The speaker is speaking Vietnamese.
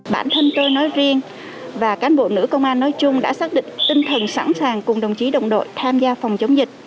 bản thân tôi nói riêng và cán bộ nữ công an nói chung đã xác định tinh thần sẵn sàng cùng đồng chí đồng đội tham gia phòng chống dịch